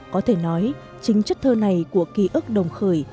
có thể nói chính chất thơ này của ký ức đồng khởi